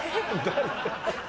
誰？